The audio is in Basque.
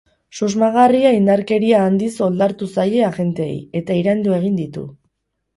Susmagarria indarkeria handiz oldartu zaie agenteei, eta iraindu egin ditu.